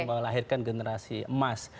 melahirkan generasi emas